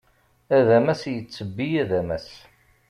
Adamas yettebbi adamas.